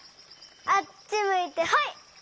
あっちむいてホイ！